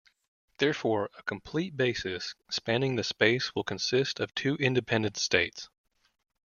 Therefore, a complete basis spanning the space will consist of two independent states.